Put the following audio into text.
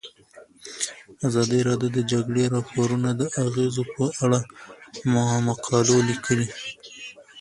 ازادي راډیو د د جګړې راپورونه د اغیزو په اړه مقالو لیکلي.